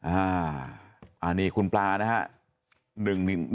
อันนี้คุณปลานะฮะ